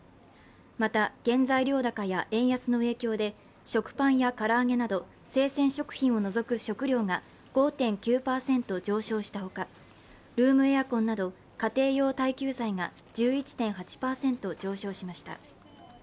また原材料高や円安の影響で食パンや唐揚げなど生鮮食品を除く食料が５．９％上昇したほかルームエアコンなど家庭用耐久財が１１．８％上昇しました。